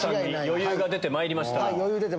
余裕出てまいりました。